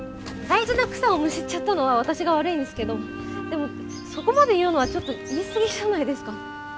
大事な草をむしっちゃったのは私が悪いんですけどでもそこまで言うのはちょっと言い過ぎじゃないですか。